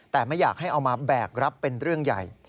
แต่ไม่อยากให้เอามาแบกรับเป็นเรื่องใหญ่